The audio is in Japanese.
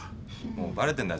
もうバレてんだ。